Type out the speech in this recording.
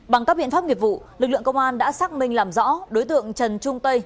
bằng các biện pháp nghiệp vụ lực lượng công an đã xác minh làm rõ đối tượng trần trung tây